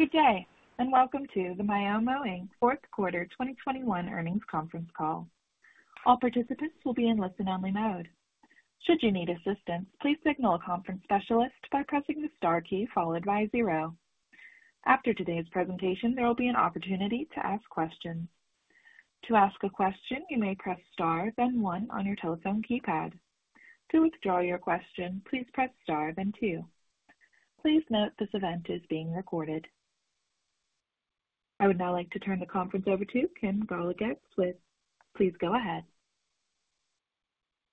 Good day, and welcome to the Myomo Inc. Fourth Quarter 2021 Earnings Conference Call. All participants will be in listen-only mode. Should you need assistance, please signal a conference specialist by pressing the star key followed by zero. After today's presentation, there will be an opportunity to ask questions. To ask a question, you may press star then one on your telephone keypad. To withdraw your question, please press star then two. Please note this event is being recorded. I would now like to turn the conference over to Kim Golodetz with... Please go ahead.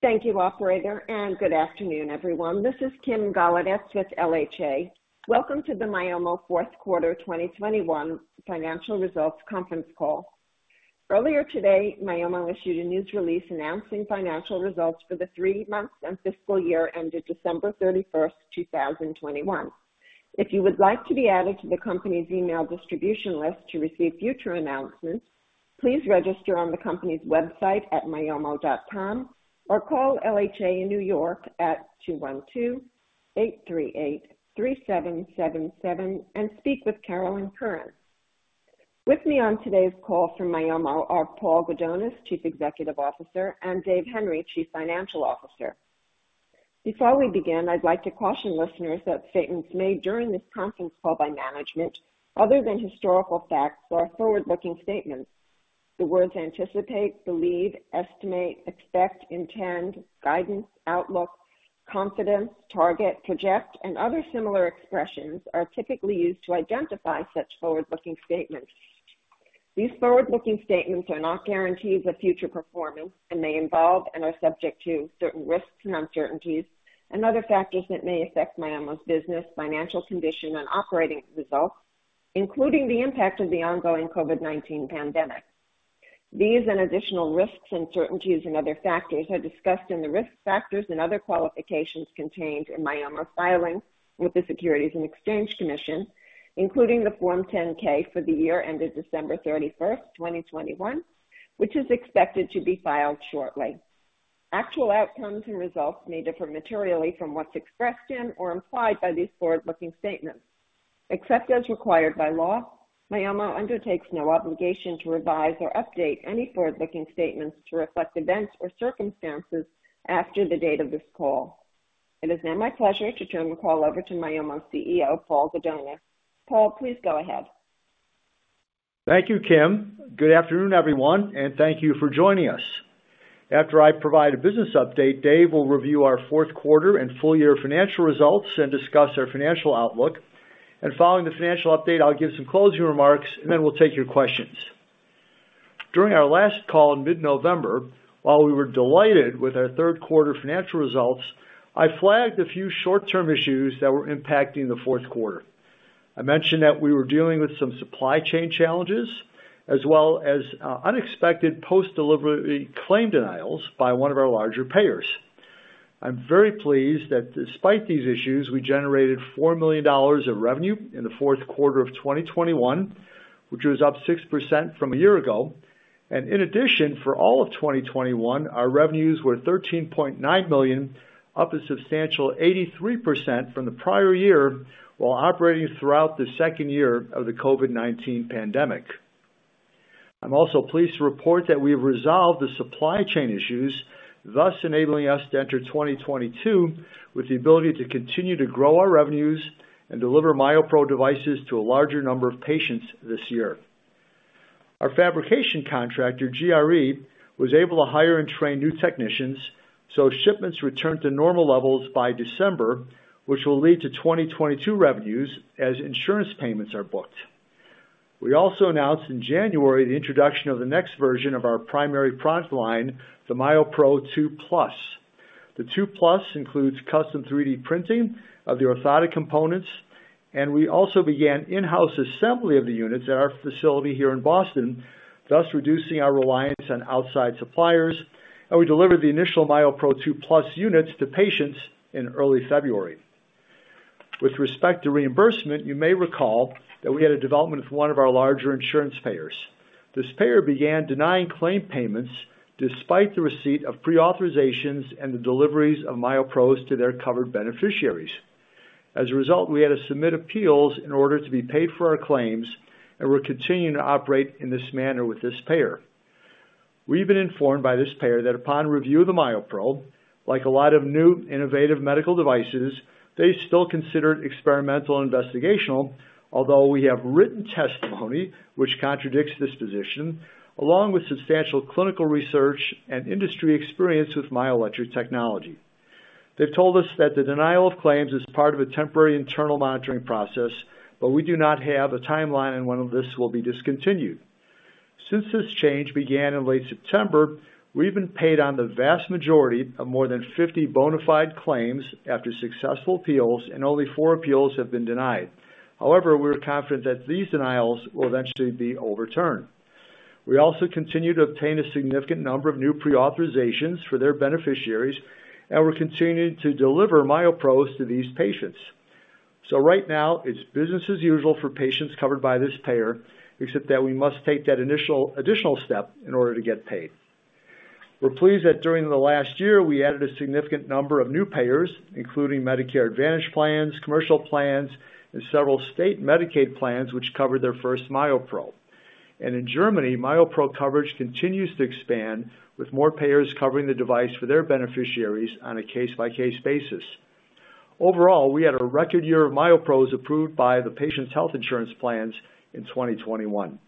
Thank you, operator, and good afternoon, everyone. This is Kim Golodetz with LHA. Welcome to the Myomo fourth quarter 2021 financial results conference call. Earlier today, Myomo issued a news release announcing financial results for the three months and fiscal year ended December 31, 2021. If you would like to be added to the company's email distribution list to receive future announcements, please register on the company's website at myomo.com or call LHA in New York at 212-838-3777 and speak with Carolyn Capaccio. With me on today's call from Myomo are Paul Gudonis, Chief Executive Officer, and Dave Henry, Chief Financial Officer. Before we begin, I'd like to caution listeners that statements made during this conference call by management other than historical facts are forward-looking statements. The words anticipate, believe, estimate, expect, intend, guidance, outlook, confidence, target, project, and other similar expressions are typically used to identify such forward-looking statements. These forward-looking statements are not guarantees of future performance and may involve and are subject to certain risks and uncertainties and other factors that may affect Myomo's business, financial condition, and operating results, including the impact of the ongoing COVID-19 pandemic. These and additional risks, uncertainties, and other factors are discussed in the risk factors and other qualifications contained in Myomo's filings with the Securities and Exchange Commission, including the Form 10-K for the year ended December 31, 2021, which is expected to be filed shortly. Actual outcomes and results may differ materially from what's expressed in or implied by these forward-looking statements. Except as required by law, Myomo undertakes no obligation to revise or update any forward-looking statements to reflect events or circumstances after the date of this call. It is now my pleasure to turn the call over to Myomo's CEO, Paul Gudonis. Paul, please go ahead. Thank you, Kim. Good afternoon, everyone, and thank you for joining us. After I provide a business update, Dave will review our fourth quarter and full year financial results and discuss our financial outlook. Following the financial update, I'll give some closing remarks and then we'll take your questions. During our last call in mid-November, while we were delighted with our third quarter financial results, I flagged a few short-term issues that were impacting the fourth quarter. I mentioned that we were dealing with some supply chain challenges as well as unexpected post-delivery claim denials by one of our larger payers. I'm very pleased that despite these issues, we generated $4 million of revenue in the fourth quarter of 2021, which was up 6% from a year ago. In addition, for all of 2021, our revenues were $13.9 million, up a substantial 83% from the prior year while operating throughout the second year of the COVID-19 pandemic. I'm also pleased to report that we've resolved the supply chain issues, thus enabling us to enter 2022 with the ability to continue to grow our revenues and deliver MyoPro devices to a larger number of patients this year. Our fabrication contractor, GRE, was able to hire and train new technicians, so shipments returned to normal levels by December, which will lead to 2022 revenues as insurance payments are booked. We also announced in January the introduction of the next version of our primary product line, the MyoPro 2+. The 2+ includes custom 3D printing of the orthotic components, and we also began in-house assembly of the units at our facility here in Boston, thus reducing our reliance on outside suppliers, and we delivered the initial MyoPro 2+ units to patients in early February. With respect to reimbursement, you may recall that we had a development with one of our larger insurance payers. This payer began denying claim payments despite the receipt of pre-authorizations and the deliveries of MyoPros to their covered beneficiaries. As a result, we had to submit appeals in order to be paid for our claims and we're continuing to operate in this manner with this payer. We've been informed by this payer that upon review of the MyoPro. Like a lot of new innovative medical devices, they still consider it experimental investigational, although we have written testimony which contradicts this position, along with substantial clinical research and industry experience with myoelectric technology. They've told us that the denial of claims is part of a temporary internal monitoring process, but we do not have a timeline on when this will be discontinued. Since this change began in late September, we've been paid on the vast majority of more than 50 bona fide claims after successful appeals, and only four appeals have been denied. However, we are confident that these denials will eventually be overturned. We also continue to obtain a significant number of new pre-authorizations for their beneficiaries, and we're continuing to deliver MyoPros to these patients. Right now, it's business as usual for patients covered by this payer, except that we must take that initial additional step in order to get paid. We're pleased that during the last year, we added a significant number of new payers, including Medicare Advantage plans, commercial plans, and several state Medicaid plans which covered their first MyoPro. In Germany, MyoPro coverage continues to expand, with more payers covering the device for their beneficiaries on a case-by-case basis. Overall, we had a record year of MyoPros approved by the patient's health insurance plans in 2021.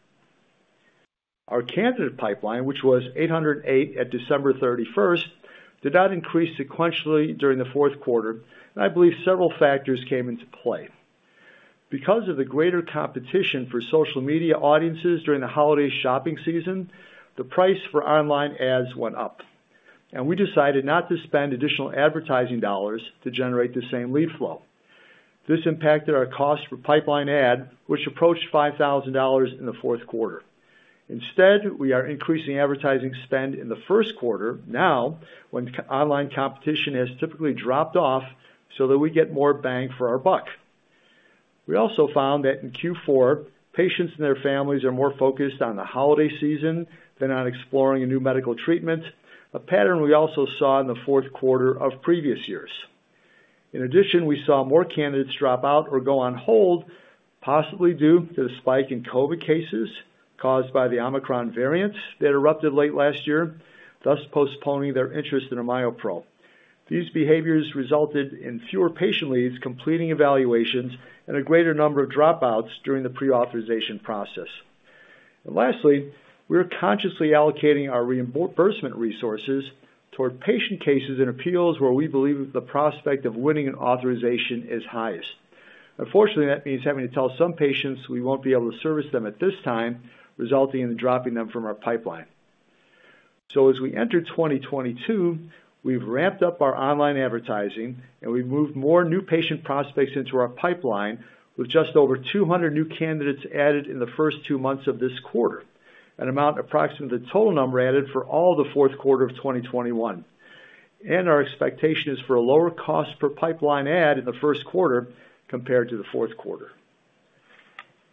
Our candidate pipeline, which was 808 at December 31, did not increase sequentially during the fourth quarter. I believe several factors came into play. Because of the greater competition for social media audiences during the holiday shopping season, the price for online ads went up, and we decided not to spend additional advertising dollars to generate the same lead flow. This impacted our cost for pipeline ad, which approached $5,000 in the fourth quarter. Instead, we are increasing advertising spend in the first quarter now, when online competition has typically dropped off, so that we get more bang for our buck. We also found that in Q4, patients and their families are more focused on the holiday season than on exploring a new medical treatment, a pattern we also saw in the fourth quarter of previous years. In addition, we saw more candidates drop out or go on hold, possibly due to the spike in COVID cases caused by the Omicron variant that erupted late last year, thus postponing their interest in a MyoPro. These behaviors resulted in fewer patient leads completing evaluations, and a greater number of dropouts during the pre-authorization process. Lastly, we're consciously allocating our reimbursement resources toward patient cases and appeals where we believe the prospect of winning an authorization is highest. Unfortunately, that means having to tell some patients we won't be able to service them at this time, resulting in dropping them from our pipeline. As we enter 2022, we've ramped up our online advertising and we've moved more new patient prospects into our pipeline with just over 200 new candidates added in the first two months of this quarter, an amount approximate to the total number added for all the fourth quarter of 2021. Our expectation is for a lower cost per pipeline ad in the first quarter compared to the fourth quarter.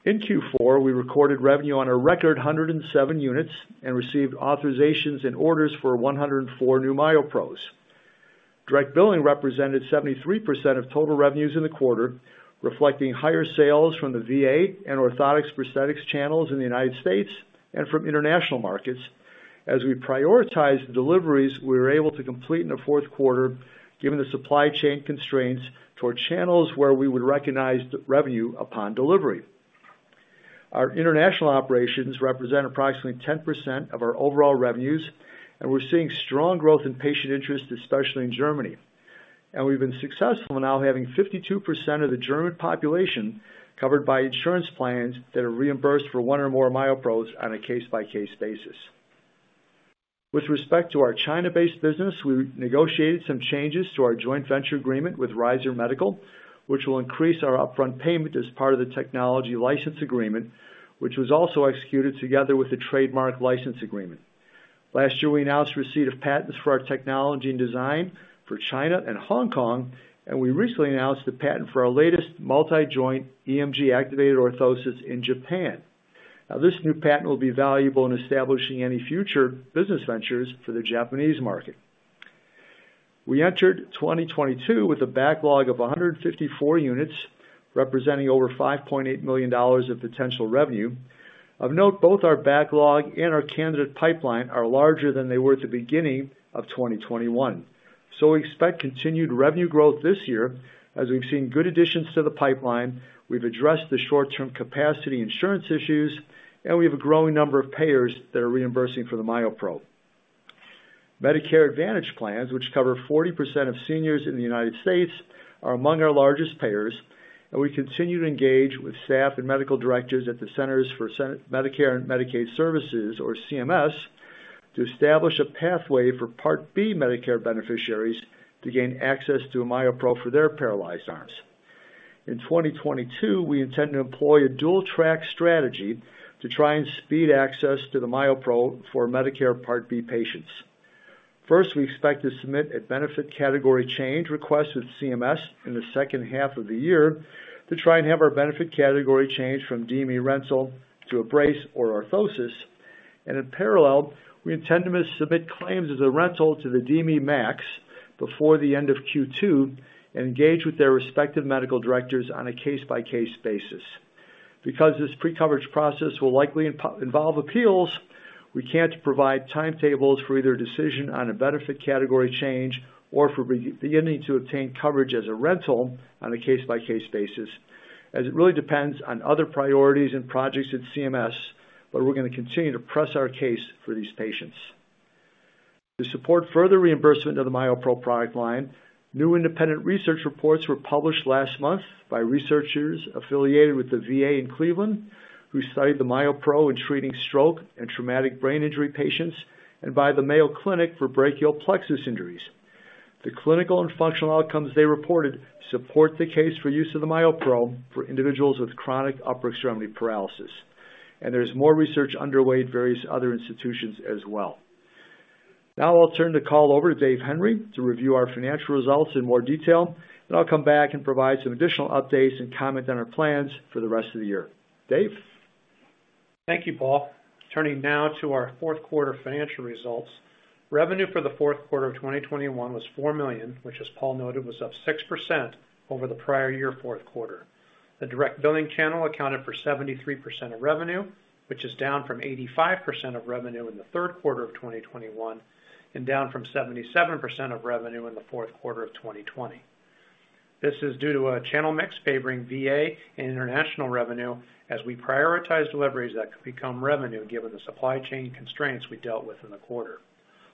In Q4, we recorded revenue on a record 107 units, and received authorizations and orders for 104 new MyoPros. Direct billing represented 73% of total revenues in the quarter, reflecting higher sales from the VA and orthotics prosthetics channels in the United States and from international markets. As we prioritize the deliveries we were able to complete in the fourth quarter, given the supply chain constraints toward channels where we would recognize the revenue upon delivery. Our international operations represent approximately 10% of our overall revenues, and we're seeing strong growth in patient interest, especially in Germany. We've been successful now having 52% of the German population covered by insurance plans that are reimbursed for one or more MyoPros on a case-by-case basis. With respect to our China-based business, we negotiated some changes to our joint venture agreement with Ryzur Medical, which will increase our upfront payment as part of the technology license agreement, which was also executed together with a trademark license agreement. Last year, we announced receipt of patents for our technology and design for China and Hong Kong, and we recently announced the patent for our latest multi-joint EMG activated orthosis in Japan. Now, this new patent will be valuable in establishing any future business ventures for the Japanese market. We entered 2022 with a backlog of 154 units, representing over $5.8 million of potential revenue. Of note, both our backlog and our candidate pipeline are larger than they were at the beginning of 2021. We expect continued revenue growth this year, as we've seen good additions to the pipeline, we've addressed the short-term capacity insurance issues, and we have a growing number of payers that are reimbursing for the MyoPro. Medicare Advantage plans, which cover 40% of seniors in the United States, are among our largest payers, and we continue to engage with staff and medical directors at the Centers for Medicare and Medicaid Services, or CMS, to establish a pathway for Part B Medicare beneficiaries to gain access to a MyoPro for their paralyzed arms. In 2022, we intend to employ a dual track strategy to try and speed access to the MyoPro for Medicare Part B patients. First, we expect to submit a benefit category change request with CMS in the second half of the year to try and have our benefit category changed from DME rental to a brace or orthosis. In parallel, we intend to submit claims as a rental to the DME MACs before the end of Q2 and engage with their respective medical directors on a case-by-case basis. Because this pre-coverage process will likely involve appeals, we can't provide timetables for either a decision on a benefit category change or for beginning to obtain coverage as a rental on a case-by-case basis, as it really depends on other priorities and projects at CMS, but we're gonna continue to press our case for these patients. To support further reimbursement of the MyoPro product line, new independent research reports were published last month by researchers affiliated with the VA in Cleveland, who studied the MyoPro in treating stroke and traumatic brain injury patients, and by the Mayo Clinic for brachial plexus injuries. The clinical and functional outcomes they reported support the case for use of the MyoPro for individuals with chronic upper extremity paralysis. There's more research underway at various other institutions as well. Now I'll turn the call over to Dave Henry to review our financial results in more detail, then I'll come back and provide some additional updates and comment on our plans for the rest of the year. Dave? Thank you, Paul. Turning now to our fourth quarter financial results. Revenue for the fourth quarter of 2021 was $4 million, which, as Paul noted, was up 6% over the prior year fourth quarter. The direct billing channel accounted for 73% of revenue, which is down from 85% of revenue in the third quarter of 2021, and down from 77% of revenue in the fourth quarter of 2020. This is due to a channel mix favoring VA and international revenue as we prioritize deliveries that could become revenue, given the supply chain constraints we dealt with in the quarter.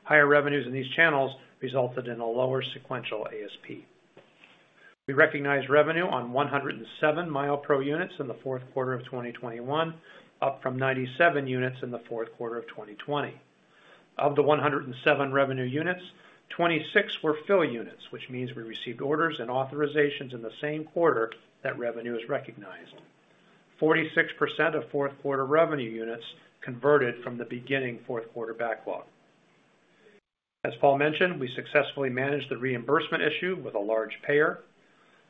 Higher revenues in these channels resulted in a lower sequential ASP. We recognized revenue on 107 MyoPro units in the fourth quarter of 2021, up from 97 units in the fourth quarter of 2020. Of the 107 revenue units, 26 were fill units, which means we received orders and authorizations in the same quarter that revenue is recognized. 46% of fourth quarter revenue units converted from the beginning fourth quarter backlog. As Paul mentioned, we successfully managed the reimbursement issue with a large payer.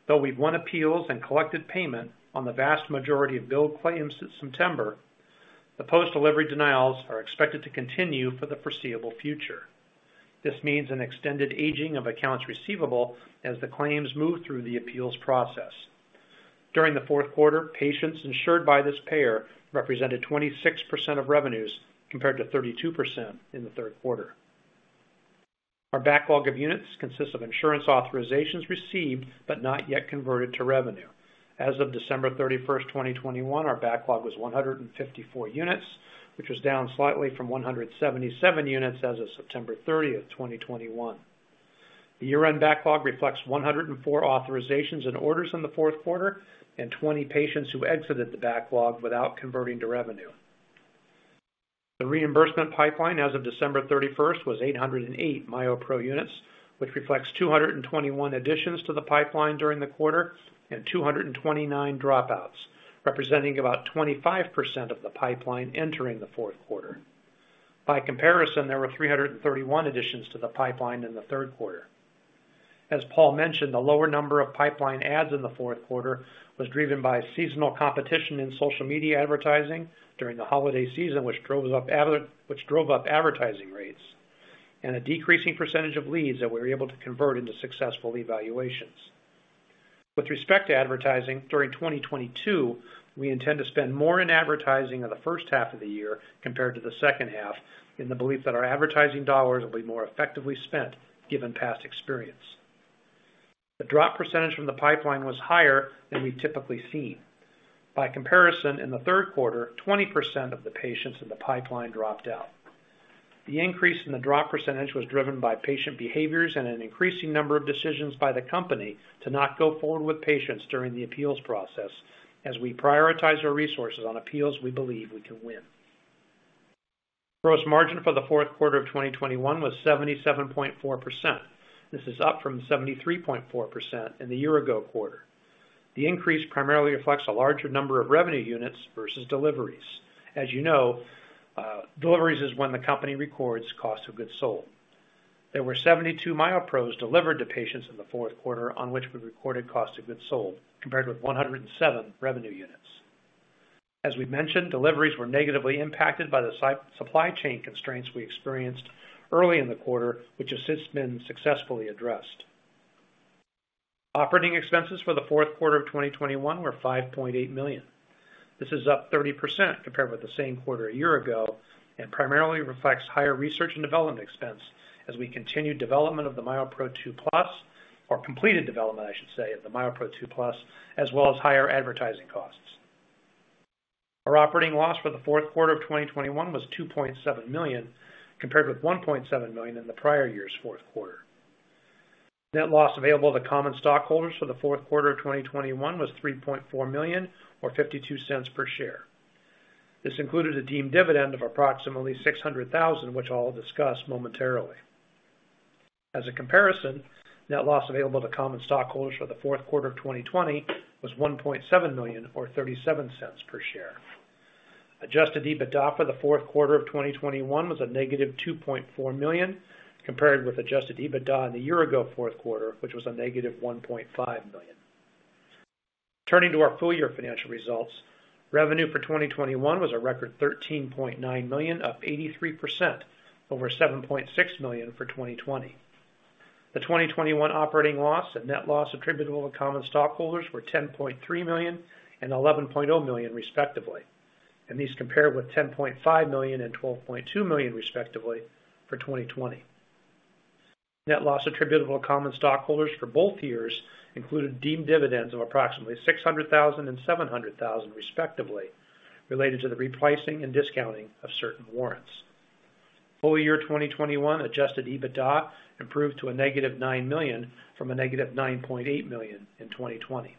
Though we've won appeals and collected payment on the vast majority of billed claims since September, the post-delivery denials are expected to continue for the foreseeable future. This means an extended aging of accounts receivable as the claims move through the appeals process. During the fourth quarter, patients insured by this payer represented 26% of revenues, compared to 32% in the third quarter. Our backlog of units consists of insurance authorizations received but not yet converted to revenue. As of December 31, 2021, our backlog was 154 units, which was down slightly from 177 units as of September 30, 2021. The year-end backlog reflects 104 authorizations and orders in the fourth quarter and 20 patients who exited the backlog without converting to revenue. The reimbursement pipeline as of December 31, 2021 was 808 MyoPro units, which reflects 221 additions to the pipeline during the quarter and 229 dropouts, representing about 25% of the pipeline entering the fourth quarter. By comparison, there were 331 additions to the pipeline in the third quarter. As Paul mentioned, the lower number of pipeline adds in the fourth quarter was driven by seasonal competition in social media advertising during the holiday season, which drove up advertising rates and a decreasing percentage of leads that we were able to convert into successful evaluations. With respect to advertising, during 2022, we intend to spend more in advertising in the first half of the year compared to the second half in the belief that our advertising dollars will be more effectively spent, given past experience. The drop percentage from the pipeline was higher than we've typically seen. By comparison, in the third quarter, 20% of the patients in the pipeline dropped out. The increase in the drop percentage was driven by patient behaviors and an increasing number of decisions by the company to not go forward with patients during the appeals process, as we prioritize our resources on appeals we believe we can win. Gross margin for the fourth quarter of 2021 was 77.4%. This is up from 73.4% in the year ago quarter. The increase primarily reflects a larger number of revenue units versus deliveries. As you know, deliveries is when the company records cost of goods sold. There were 72 MyoPros delivered to patients in the fourth quarter on which we recorded cost of goods sold, compared with 107 revenue units. As we mentioned, deliveries were negatively impacted by the supply chain constraints we experienced early in the quarter, which has since been successfully addressed. Operating expenses for the fourth quarter of 2021 were $5.8 million. This is up 30% compared with the same quarter a year ago and primarily reflects higher research and development expense as we continue development of the MyoPro 2+, or completed development, I should say, of the MyoPro 2+, as well as higher advertising costs. Our operating loss for the fourth quarter of 2021 was $2.7 million, compared with $1.7 million in the prior year's fourth quarter. Net loss available to common stockholders for the fourth quarter of 2021 was $3.4 million or $0.52 per share. This included a deemed dividend of approximately $600,000, which I'll discuss momentarily. As a comparison, net loss available to common stockholders for the fourth quarter of 2020 was $1.7 million or $0.37 per share. Adjusted EBITDA for the fourth quarter of 2021 was -$2.4 million, compared with adjusted EBITDA in the year-ago fourth quarter, which was -$1.5 million. Turning to our full-year financial results. Revenue for 2021 was a record $13.9 million, up 83% over $7.6 million for 2020. The 2021 operating loss and net loss attributable to common stockholders were $10.3 million and $11.0 million respectively, and these compare with $10.5 million and $12.2 million respectively for 2020. Net loss attributable to common stockholders for both years included deemed dividends of approximately $600,000 and $700,000 respectively related to the repricing and discounting of certain warrants. Full year 2021 adjusted EBITDA improved to -$9 million from -$9.8 million in 2020.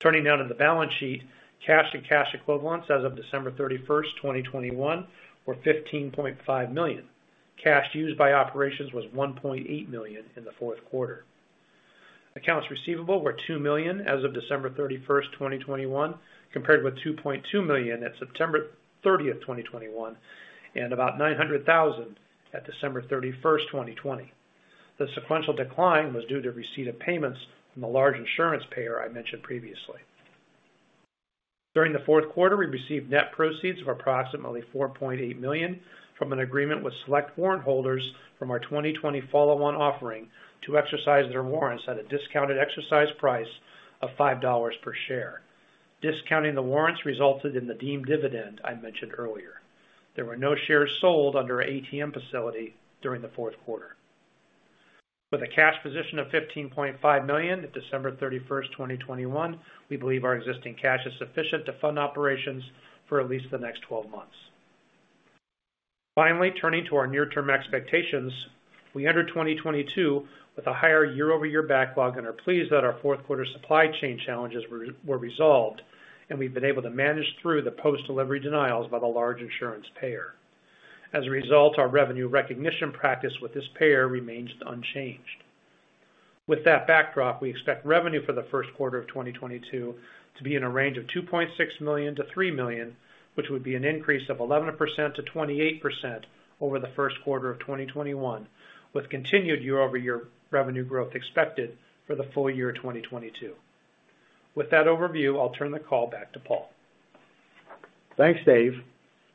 Turning now to the balance sheet. Cash and cash equivalents as of December 31, 2021, were $15.5 million. Cash used by operations was $1.8 million in the fourth quarter. Accounts receivable were $2 million as of December 31, 2021, compared with $2.2 million at September 30, 2021, and about $900,000 at December 31, 2020. The sequential decline was due to receipt of payments from a large insurance payer I mentioned previously. During the fourth quarter, we received net proceeds of approximately $4.8 million from an agreement with select warrant holders from our 2020 follow-on offering to exercise their warrants at a discounted exercise price of $5 per share. Discounting the warrants resulted in the deemed dividend I mentioned earlier. There were no shares sold under our ATM facility during the fourth quarter. With a cash position of $15.5 million at December 31, 2021, we believe our existing cash is sufficient to fund operations for at least the next 12 months. Finally, turning to our near-term expectations, we enter 2022 with a higher year-over-year backlog and are pleased that our fourth quarter supply chain challenges were resolved, and we've been able to manage through the post-delivery denials by the large insurance payer. As a result, our revenue recognition practice with this payer remains unchanged. With that backdrop, we expect revenue for the first quarter of 2022 to be in a range of $2.6 million-$3 million, which would be an increase of 11%-28% over the first quarter of 2021, with continued year-over-year revenue growth expected for the full year 2022. With that overview, I'll turn the call back to Paul. Thanks, Dave.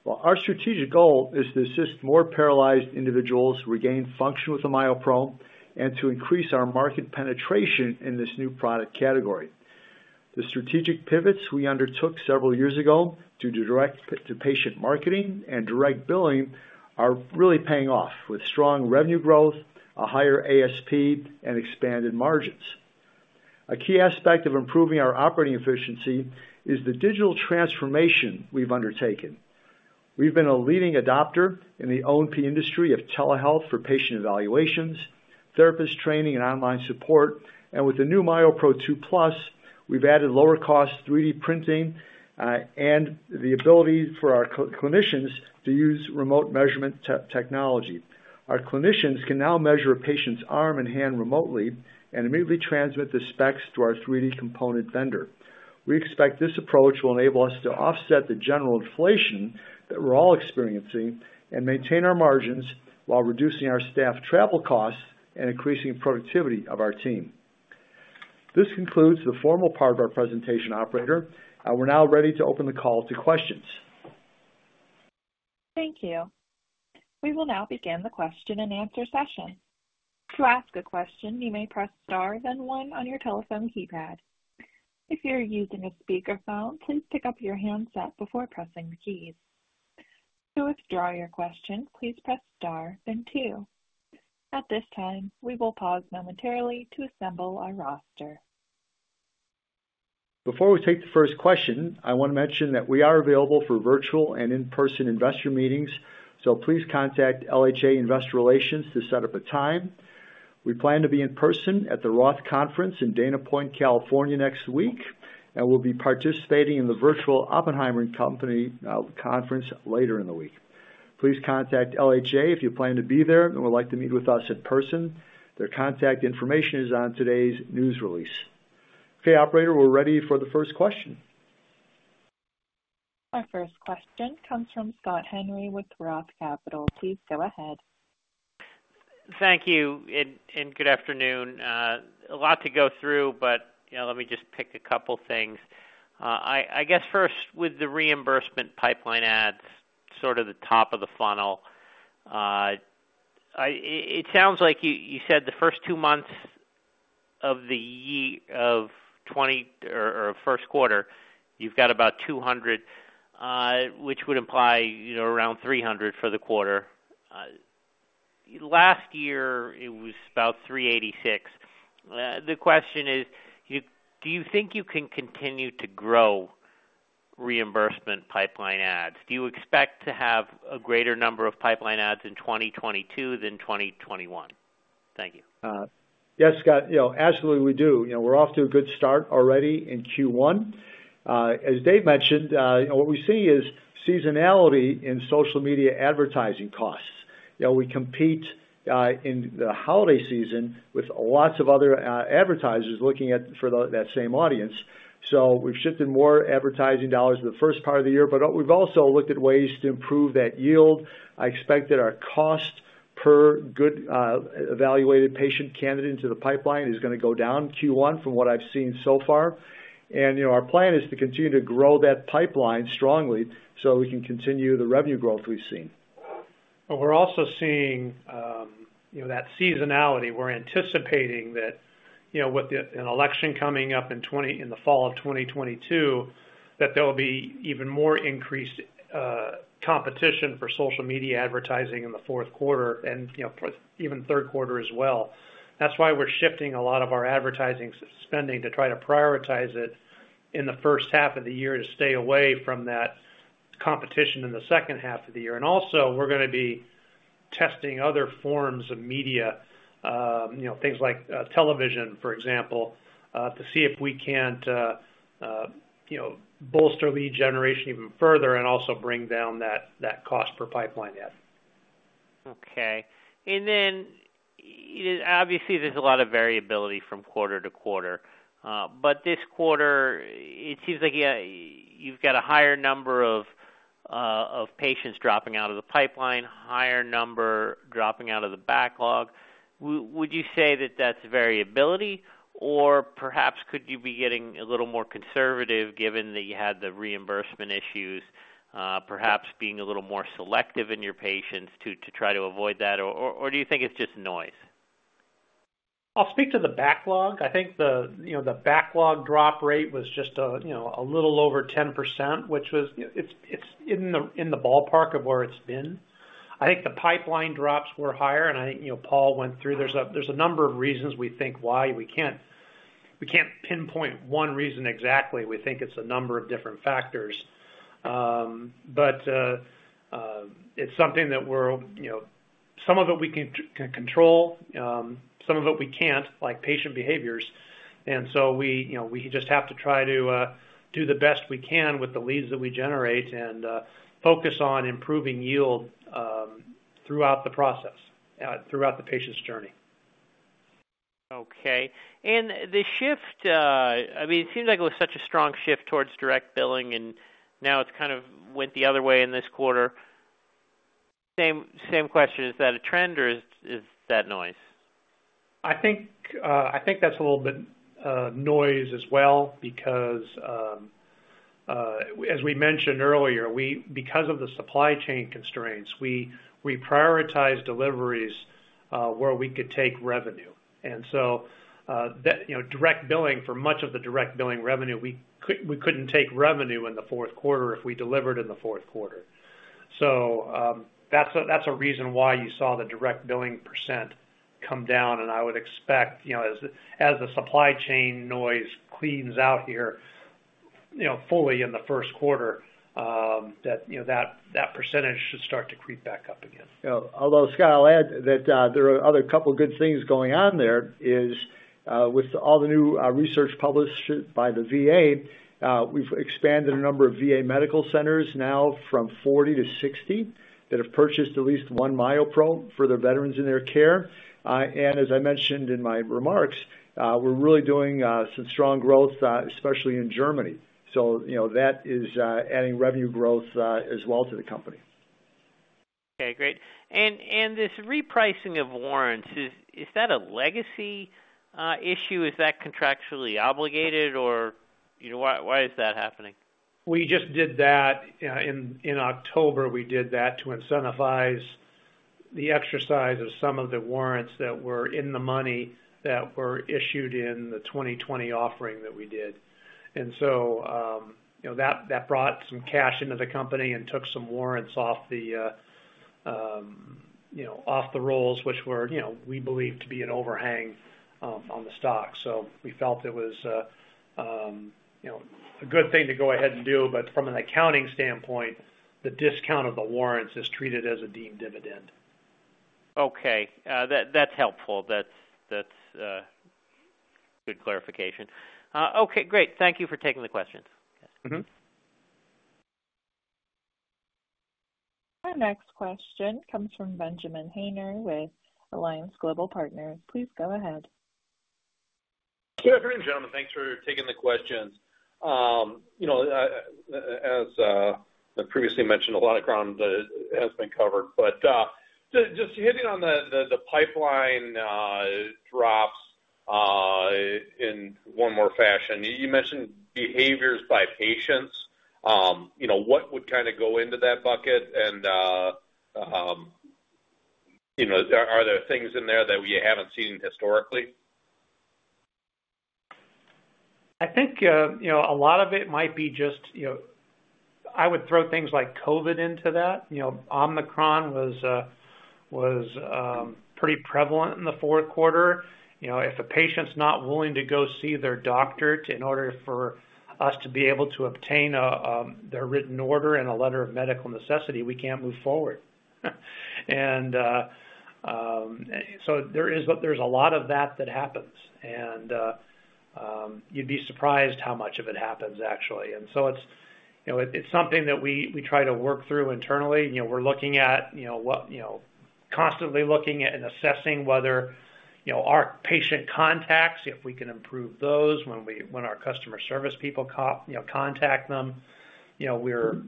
Well, our strategic goal is to assist more paralyzed individuals regain function with the MyoPro and to increase our market penetration in this new product category. The strategic pivots we undertook several years ago due to direct-to-patient marketing and direct billing are really paying off with strong revenue growth, a higher ASP, and expanded margins. A key aspect of improving our operating efficiency is the digital transformation we've undertaken. We've been a leading adopter in the O&P industry of telehealth for patient evaluations, therapist training, and online support. With the new MyoPro 2+, we've added lower cost 3D printing and the ability for our clinicians to use remote measurement technology. Our clinicians can now measure a patient's arm and hand remotely and immediately transmit the specs to our 3D component vendor. We expect this approach will enable us to offset the general inflation that we're all experiencing and maintain our margins while reducing our staff travel costs and increasing productivity of our team. This concludes the formal part of our presentation, operator. We're now ready to open the call to questions. Thank you. We will now begin the question-and-answer session. To ask a question, you may press Star, then one on your telephone keypad. If you're using a speakerphone, please pick up your handset before pressing the keys. To withdraw your question, please press Star then two. At this time, we will pause momentarily to assemble our roster. Before we take the first question, I wanna mention that we are available for virtual and in-person investor meetings, so please contact LHA Investor Relations to set up a time. We plan to be in person at the Roth Conference in Dana Point, California, next week, and we'll be participating in the virtual Oppenheimer & Co. conference later in the week. Please contact LHA if you plan to be there and would like to meet with us in person. Their contact information is on today's news release. Okay, operator, we're ready for the first question. Our first question comes from Scott Henry with Roth Capital. Please go ahead. Thank you and good afternoon. A lot to go through, but you know, let me just pick a couple things. I guess first, with the reimbursement pipeline adds sort of the top of the funnel, it sounds like you said the first two months of the year or first quarter, you've got about 200, which would imply, you know, around 300 for the quarter. Last year, it was about 386. The question is, do you think you can continue to grow reimbursement pipeline adds? Do you expect to have a greater number of pipeline adds in 2022 than 2021? Thank you. Yes, Scott, you know, absolutely we do. You know, we're off to a good start already in Q1. As Dave mentioned, you know, what we see is seasonality in social media advertising costs. You know, we compete in the holiday season with lots of other advertisers looking for that same audience. We've shifted more advertising dollars to the first part of the year, but we've also looked at ways to improve that yield. I expect that our cost per good evaluated patient candidate into the pipeline is gonna go down Q1 from what I've seen so far. You know, our plan is to continue to grow that pipeline strongly so we can continue the revenue growth we've seen. We're also seeing, you know, that seasonality. We're anticipating that, you know, with an election coming up in the fall of 2022, that there'll be even more increased competition for social media advertising in the fourth quarter and, you know, even third quarter as well. That's why we're shifting a lot of our advertising spending to try to prioritize it in the first half of the year to stay away from that competition in the second half of the year. Also we're gonna be testing other forms of media, you know, things like, television, for example, to see if we can't, you know, bolster lead generation even further and also bring down that cost per pipeline add. Okay. You know, obviously, there's a lot of variability from quarter to quarter. But this quarter, it seems like you've got a higher number of patients dropping out of the pipeline, higher number dropping out of the backlog. Would you say that that's variability? Or perhaps could you be getting a little more conservative given that you had the reimbursement issues, perhaps being a little more selective in your patients to try to avoid that? Or do you think it's just noise? I'll speak to the backlog. I think, you know, the backlog drop rate was just, you know, a little over 10%, which was, it's in the ballpark of where it's been. I think the pipeline drops were higher and I think, you know, Paul went through. There's a number of reasons we think why we can't pinpoint one reason exactly. We think it's a number of different factors. But it's something that we're, you know. Some of it we can control, some of it we can't, like patient behaviors. We just have to try to do the best we can with the leads that we generate and focus on improving yield throughout the process, throughout the patient's journey. Okay. The shift, I mean, it seems like it was such a strong shift towards direct billing, and now it's kind of went the other way in this quarter. Same question. Is that a trend or is that noise? I think that's a little bit noise as well because, as we mentioned earlier, because of the supply chain constraints, we prioritize deliveries where we could take revenue. That you know direct billing for much of the direct billing revenue, we couldn't take revenue in the fourth quarter if we delivered in the fourth quarter. That's a reason why you saw the direct billing percent come down. I would expect you know as the supply chain noise cleans out here you know fully in the first quarter that that percentage should start to creep back up again. Yeah. Although, Scott, I'll add that, there are other couple good things going on there, with all the new research published by the VA, we've expanded a number of VA medical centers now from 40 to 60 that have purchased at least one MyoPro for their veterans in their care. As I mentioned in my remarks, we're really doing some strong growth, especially in Germany. You know, that is adding revenue growth, as well to the company. Okay, great. This repricing of warrants, is that a legacy issue? Is that contractually obligated or, you know, why is that happening? We just did that in October. We did that to incentivize the exercise of some of the warrants that were in the money that were issued in the 2020 offering that we did. That brought some cash into the company and took some warrants off the rolls, which we believe to be an overhang on the stock. We felt it was a good thing to go ahead and do, but from an accounting standpoint, the discount of the warrants is treated as a deemed dividend. Okay. That's helpful. That's good clarification. Okay, great. Thank you for taking the questions. Our next question comes from Benjamin Haynor with Alliance Global Partners. Please go ahead. Good afternoon, gentlemen. Thanks for taking the questions. You know, as I previously mentioned, a lot of ground has been covered. Just hitting on the pipeline dropouts in one more fashion. You mentioned behaviors by patients. You know, what would kinda go into that bucket? You know, are there things in there that we haven't seen historically? I think, you know, a lot of it might be just, you know. I would throw things like COVID into that. You know, Omicron was pretty prevalent in the fourth quarter. You know, if a patient's not willing to go see their doctor in order for us to be able to obtain their written order and a letter of medical necessity, we can't move forward. There's a lot of that happens. You'd be surprised how much of it happens actually. It's, you know, something that we try to work through internally. You know, we're looking at, you know, what, you know, constantly looking at and assessing whether, you know, our patient contacts, if we can improve those when our customer service people you know, contact them. You know, we're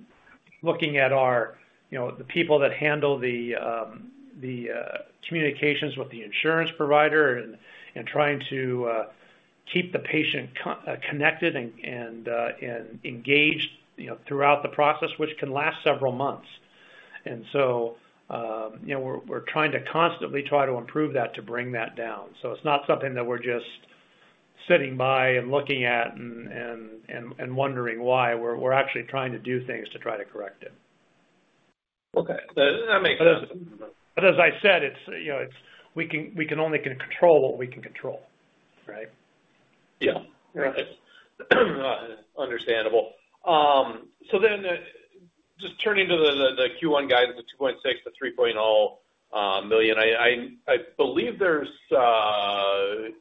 looking at our, you know, the people that handle the communications with the insurance provider and trying to keep the patient connected and engaged, you know, throughout the process, which can last several months. You know, we're trying to constantly try to improve that to bring that down. It's not something that we're just sitting by and looking at and wondering why. We're actually trying to do things to try to correct it. Okay. That makes sense. As I said, it's, you know, we can only control what we can control. Right? Yeah. Right. Understandable. Just turning to the Q1 guidance of $2.6 million-$3.0 million. I believe there's $2.7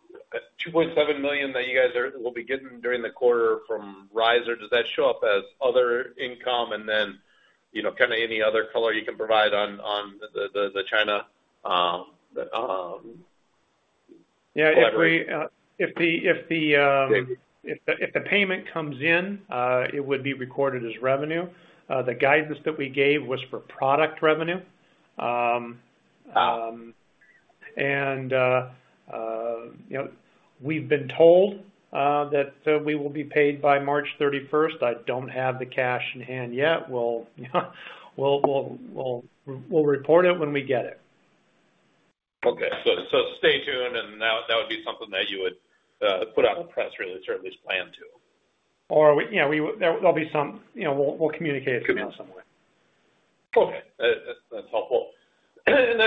million that you guys will be getting during the quarter from Ryzur. Does that show up as other income? You know, kinda any other color you can provide on the China. Yeah, if the payment comes in, it would be recorded as revenue. The guidance that we gave was for product revenue. You know, we've been told that we will be paid by March 31st. I don't have the cash in hand yet. We'll, you know, report it when we get it. Okay. Stay tuned, and that would be something that you would put out in a press release or at least plan to. We, you know, there'll be some. You know, we'll communicate it somewhere. Okay. That's helpful. Then,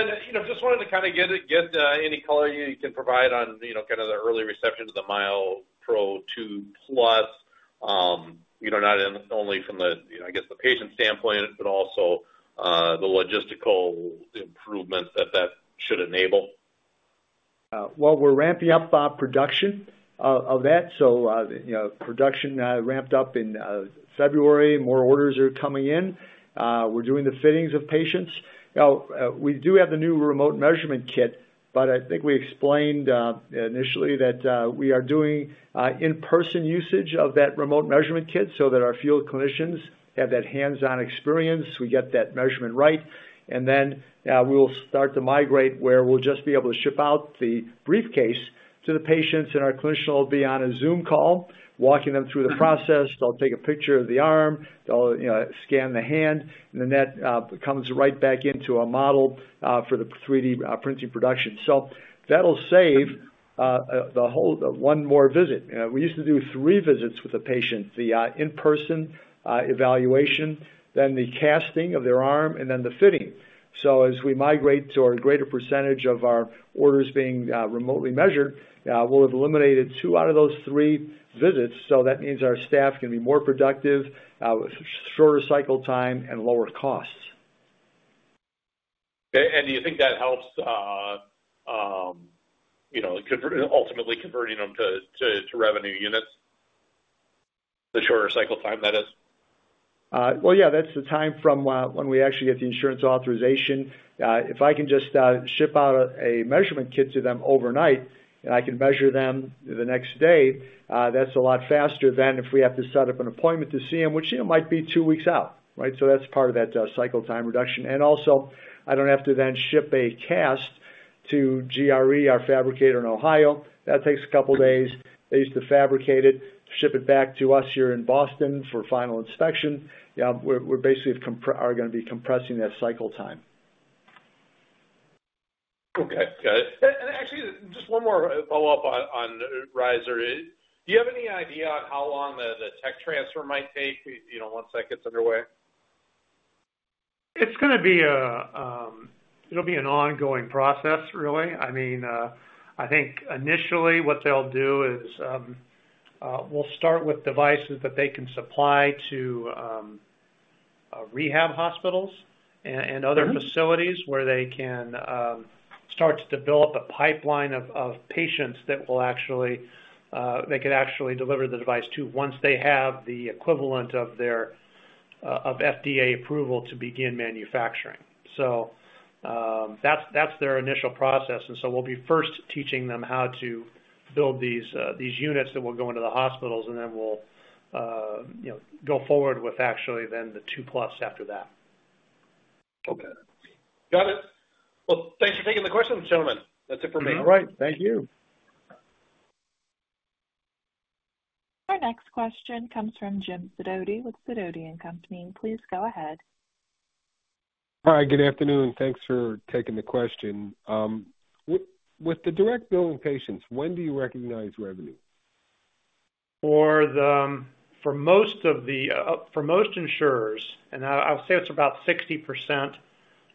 just wanted to kinda get any color you can provide on kind of the early reception to the MyoPro 2+, not only from the patient standpoint, but also the logistical improvements that should enable. We're ramping up production of that. You know, production ramped up in February. More orders are coming in. We're doing the fittings of patients. Now we do have the new remote measurement kit, but I think we explained initially that we are doing in-person usage of that remote measurement kit so that our field clinicians have that hands-on experience. We get that measurement right. We will start to migrate, where we'll just be able to ship out the briefcase to the patients, and our clinician will be on a Zoom call, walking them through the process. They'll take a picture of the arm. They'll, you know, scan the hand, and then that comes right back into a model for the 3D printing production. That'll save one more visit. We used to do three visits with a patient, the in-person evaluation, then the casting of their arm, and then the fitting. As we migrate to a greater percentage of our orders being remotely measured, we'll have eliminated two out of those three visits. That means our staff can be more productive, shorter cycle time and lower costs. Do you think that helps, you know, ultimately converting them to revenue units? The shorter cycle time, that is. Well, yeah. That's the time from when we actually get the insurance authorization. If I can just ship out a measurement kit to them overnight, and I can measure them the next day, that's a lot faster than if we have to set up an appointment to see them, which, you know, might be two weeks out, right? That's part of that cycle time reduction. Also, I don't have to then ship a cast to GRE, our fabricator in Ohio. That takes a couple days. They used to fabricate it, ship it back to us here in Boston for final inspection. We're basically gonna be compressing that cycle time. Okay. Got it. Actually, just one more follow-up on Ryzur. Do you have any idea on how long the tech transfer might take, you know, once that gets underway? It'll be an ongoing process, really. I mean, I think initially what they'll do is we'll start with devices that they can supply to rehab hospitals and other facilities where they can start to build a pipeline of patients they could actually deliver the device to once they have the equivalent of their FDA approval to begin manufacturing. That's their initial process. We'll be first teaching them how to build these units that will go into the hospitals, and then we'll you know go forward with actually then the 2 plus after that. Okay. Got it. Well, thanks for taking the questions, gentlemen. That's it for me. All right. Thank you. Our next question comes from Jim Sidoti with Sidoti & Company. Please go ahead. Hi, good afternoon. Thanks for taking the question. With the direct billing patients, when do you recognize revenue? For most insurers, I'll say it's about 60%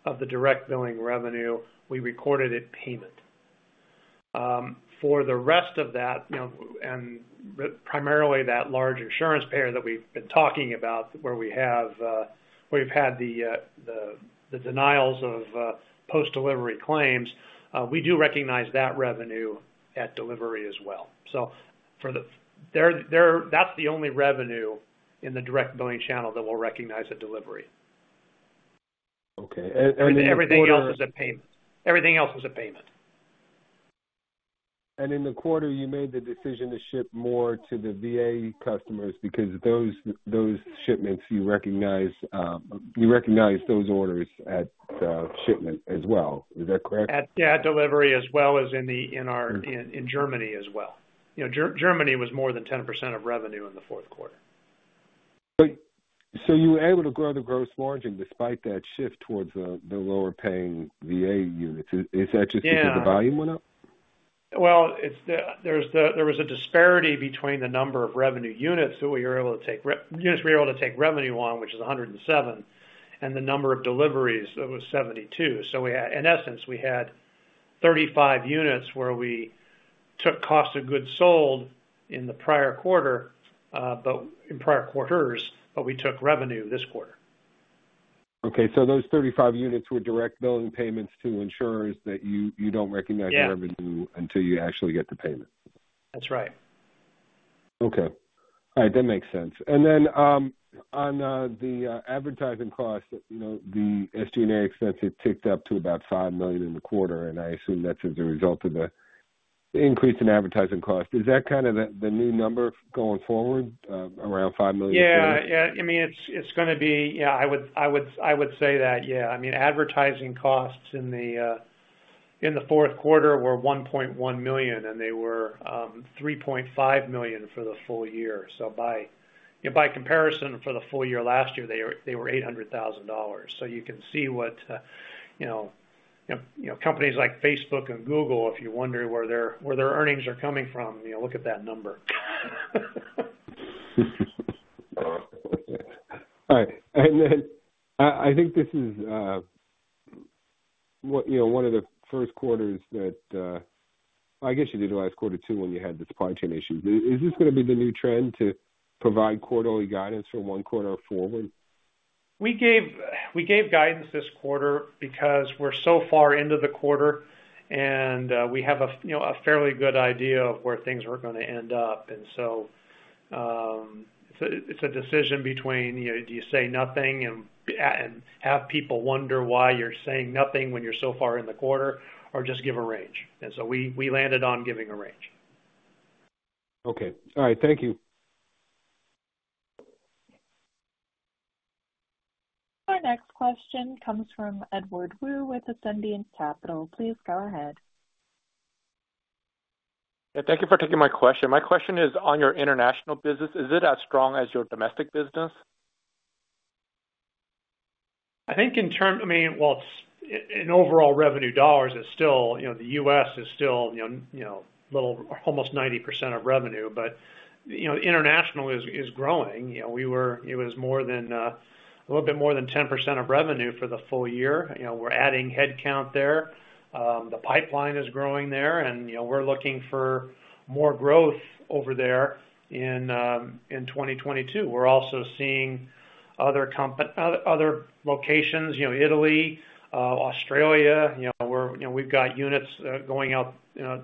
of the direct billing revenue we record the payment. For the rest of that, you know, and primarily that large insurance payer that we've been talking about where we've had the denials of post-delivery claims, we do recognize that revenue at delivery as well. That's the only revenue in the direct billing channel that we'll recognize at delivery. Okay. In the quarter- Everything else was at payment. In the quarter, you made the decision to ship more to the VA customers because those shipments you recognize those orders at shipment as well. Is that correct? Yeah, delivery as well as in Germany as well. You know, Germany was more than 10% of revenue in the fourth quarter. You were able to grow the gross margin despite that shift towards the lower paying VA units. Is that just- Yeah. Because the volume went up? Well, there was a disparity between the number of revenue units that we were able to take revenue on, which is 107, and the number of deliveries. It was 72. In essence, we had 35 units where we took cost of goods sold in the prior quarter, but in prior quarters, we took revenue this quarter. Okay. Those 35 units were direct billing payments to insurers that you don't recognize. Yeah. The revenue until you actually get the payment. That's right. Okay. All right, that makes sense. On the advertising cost, you know, the SG&A expense had ticked up to about $5 million in the quarter, and I assume that's as a result of the increase in advertising costs. Is that kind of the new number going forward, around $5 million figure? Yeah, I mean, it's gonna be. Yeah, I would say that, yeah. I mean, advertising costs in the fourth quarter were $1.1 million, and they were $3.5 million for the full year. By comparison, for the full year last year, they were $800,000. You can see what, you know, companies like Facebook and Google, if you wonder where their earnings are coming from, you know, look at that number. All right. I think this is what, you know, one of the first quarters that I guess you did it last quarter too, when you had the supply chain issues. Is this gonna be the new trend to provide quarterly guidance from one quarter forward? We gave guidance this quarter because we're so far into the quarter, and we have a fairly good idea of where things were gonna end up. It's a decision between, you know, do you say nothing and have people wonder why you're saying nothing when you're so far in the quarter, or just give a range. We landed on giving a range. Okay. All right. Thank you. Our next question comes from Edward Woo with Ascendiant Capital. Please go ahead. Yeah, thank you for taking my question. My question is, on your international business, is it as strong as your domestic business? I think, I mean, well, it's in overall revenue dollars, it's still, you know, the U.S. is still, you know, you know, almost 90% of revenue. You know, international is growing. You know, it was more than a little bit more than 10% of revenue for the full year. You know, we're adding headcount there. The pipeline is growing there, and, you know, we're looking for more growth over there in 2022. We're also seeing other locations, you know, Italy, Australia, you know, where, you know, we've got units going out, you know,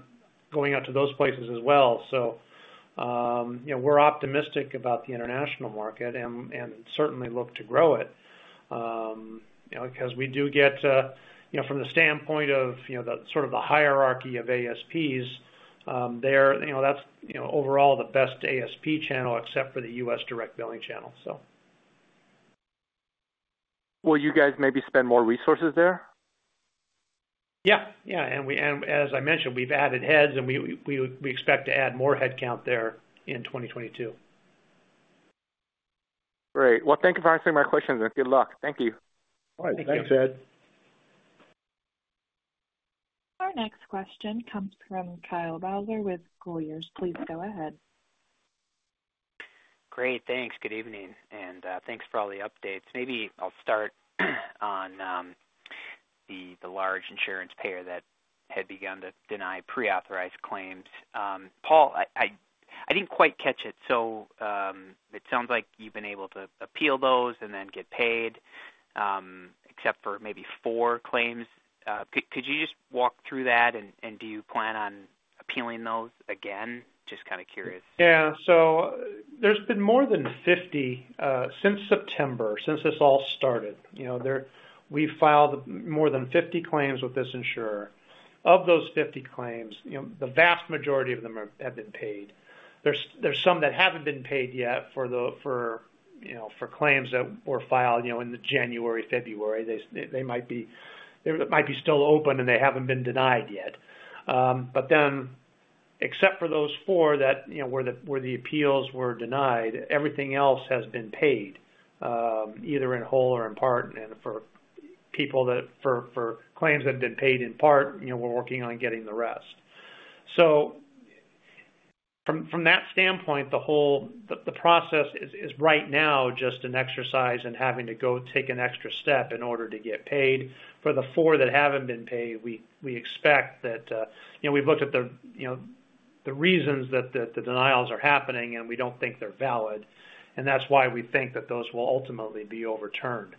going out to those places as well. You know, we're optimistic about the international market and certainly look to grow it, you know, because we do get, you know, from the standpoint of, you know, the sort of hierarchy of ASPs, there, you know, that's, you know, overall the best ASP channel except for the U.S. direct billing channel. Will you guys maybe spend more resources there? Yeah. As I mentioned, we've added heads, and we expect to add more headcount there in 2022. Great. Well, thank you for answering my questions, and good luck. Thank you. Thank you. All right. Thanks, Ed. Our next question comes from Kyle Bauser with Colliers. Please go ahead. Great. Thanks. Good evening, and thanks for all the updates. Maybe I'll start on the large insurance payer that had begun to deny pre-authorized claims. Paul, I didn't quite catch it. It sounds like you've been able to appeal those and then get paid, except for maybe four claims. Could you just walk through that, and do you plan on appealing those again? Just kinda curious. Yeah. There's been more than 50 since September, since this all started. You know, we've filed more than 50 claims with this insurer. Of those 50 claims, you know, the vast majority of them have been paid. There's some that haven't been paid yet for claims that were filed, you know, in January, February. They might be still open, and they haven't been denied yet. Except for those four that, you know, where the appeals were denied, everything else has been paid either in whole or in part. For claims that have been paid in part, you know, we're working on getting the rest. From that standpoint, the whole. The process is right now just an exercise in having to go take an extra step in order to get paid. For the four that haven't been paid, we expect that, you know, we've looked at the, you know, the reasons that the denials are happening, and we don't think they're valid. That's why we think that those will ultimately be overturned.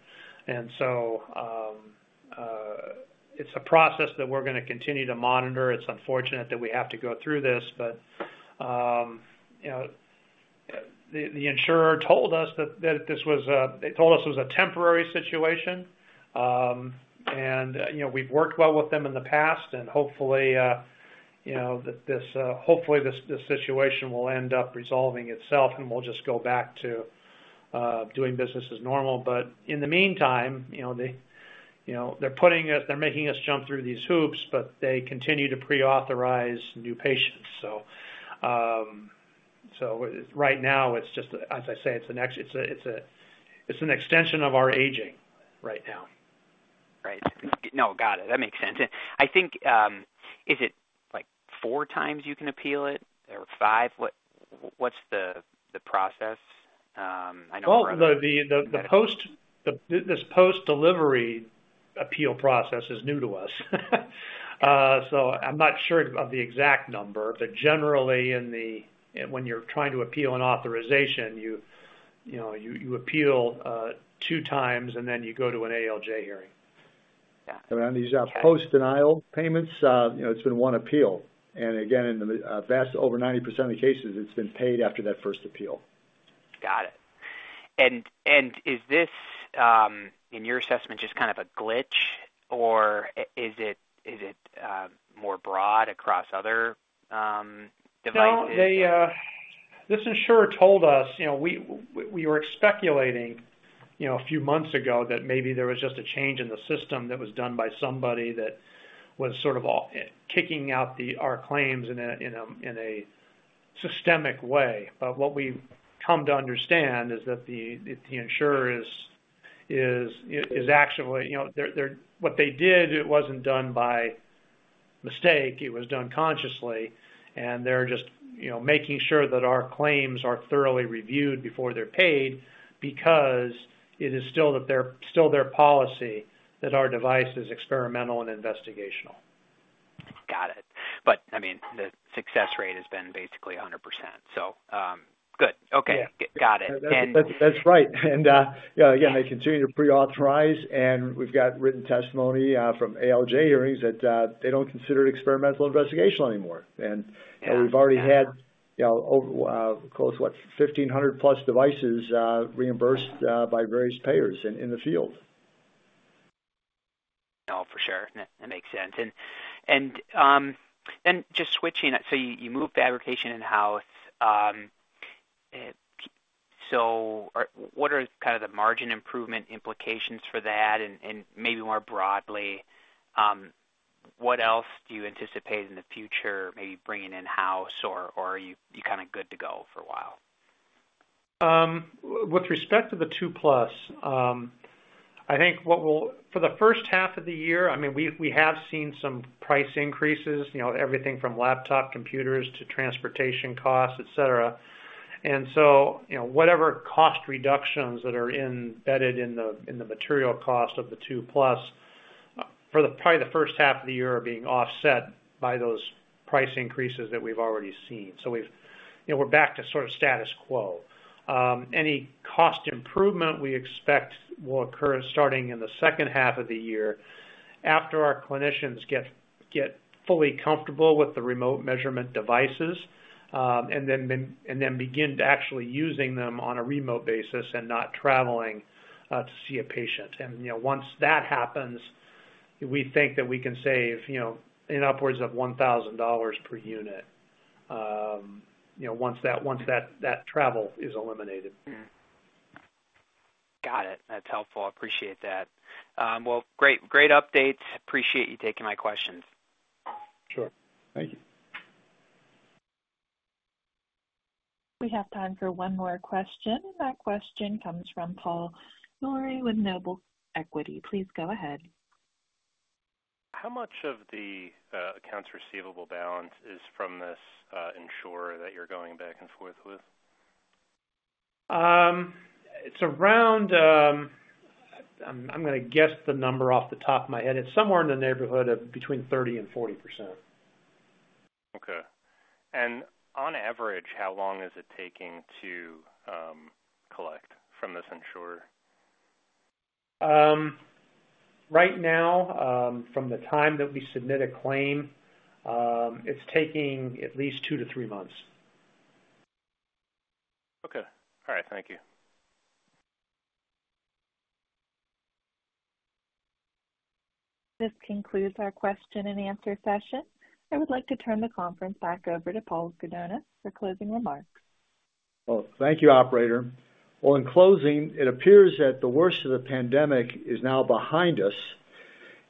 It's a process that we're gonna continue to monitor. It's unfortunate that we have to go through this but, you know, the insurer told us that this was a temporary situation. You know, we've worked well with them in the past, and hopefully, you know, this situation will end up resolving itself, and we'll just go back to doing business as normal. But in the meantime, you know, they, you know, they're putting us. They're making us jump through these hoops, but they continue to pre-authorize new patients. Right now it's just, as I say, it's an extension of our aging right now. Right. No, got it. That makes sense. I think, is it, like, four times you can appeal it or five? What's the process? I know for- Well, this post-delivery appeal process is new to us. So I'm not sure of the exact number, but generally when you're trying to appeal an authorization, you know, you appeal two times, and then you go to an ALJ hearing. Around these post-denial payments, you know, it's been one appeal. Again, in the vastly over 90% of the cases, it's been paid after that first appeal. Is this, in your assessment, just kind of a glitch or is it more broad across other devices? No. This insurer told us, you know, we were speculating, you know, a few months ago that maybe there was just a change in the system that was done by somebody that was sort of kicking out our claims in a systemic way. What we've come to understand is that the insurer is actually, you know, what they did, it wasn't done by mistake, it was done consciously. They're just, you know, making sure that our claims are thoroughly reviewed before they're paid because it is still their policy that our device is experimental and investigational. Got it. I mean, the success rate has been basically 100%, so, good. Okay. Yeah. Got it. That's right. Yeah, again, they continue to pre-authorize, and we've got written testimony from ALJ hearings that they don't consider it experimental investigational anymore. Yeah. We've already had, you know, over, close to what? 1,500+ devices reimbursed by various payers in the field. No, for sure. That makes sense. Just switching. You moved fabrication in-house. What are kind of the margin improvement implications for that? Maybe more broadly, what else do you anticipate in the future, maybe bringing in-house or are you kinda good to go for a while? With respect to the MyoPro 2+, for the first half of the year, I mean, we have seen some price increases, you know, everything from laptop computers to transportation costs, et cetera. You know, whatever cost reductions that are embedded in the material cost of the MyoPro 2+ probably for the first half of the year are being offset by those price increases that we've already seen. We've, you know, we're back to sort of status quo. Any cost improvement we expect will occur starting in the second half of the year after our clinicians get fully comfortable with the remote measurement devices, and then begin to actually using them on a remote basis and not traveling to see a patient. You know, once that happens, we think that we can save, you know, in upwards of $1,000 per unit, you know, once that travel is eliminated. Mm-hmm. Got it. That's helpful. Appreciate that. Well, great updates. Appreciate you taking my questions. Sure. Thank you. We have time for one more question. That question comes from Paul Nouri with Noble Equity Fund. Please go ahead. How much of the accounts receivable balance is from this insurer that you're going back and forth with? It's around. I'm gonna guess the number off the top of my head. It's somewhere in the neighborhood of between 30% and 40%. Okay. On average, how long is it taking to collect from this insurer? Right now, from the time that we submit a claim, it's taking at least 2-3 months. Okay. All right. Thank you. This concludes our question and answer session. I would like to turn the conference back over to Paul Gudonis for closing remarks. Well, thank you, operator. Well, in closing, it appears that the worst of the pandemic is now behind us,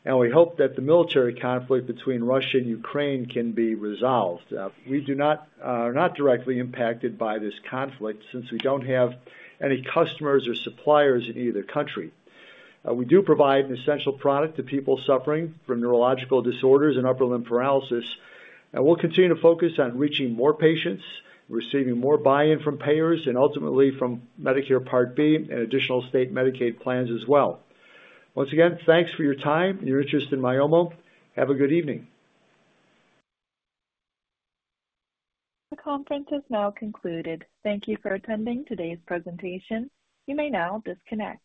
and we hope that the military conflict between Russia and Ukraine can be resolved. We are not directly impacted by this conflict since we don't have any customers or suppliers in either country. We do provide an essential product to people suffering from neurological disorders and upper limb paralysis. We'll continue to focus on reaching more patients, receiving more buy-in from payers and ultimately from Medicare Part B and additional state Medicaid plans as well. Once again, thanks for your time and your interest in Myomo. Have a good evening. The conference is now concluded. Thank you for attending today's presentation. You may now disconnect.